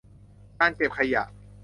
การเก็บขยะ